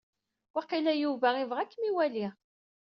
Waqila Yuba ibɣa ad akem-iwali.